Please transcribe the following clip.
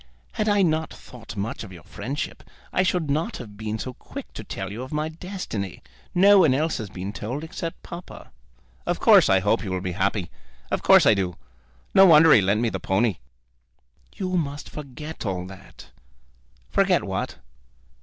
Had I not thought much of your friendship, I should not have been so quick to tell you of my destiny. No one else has been told, except papa." "Of course I hope you will be happy. Of course I do. No wonder he lent me the pony!" "You must forget all that." "Forget what?"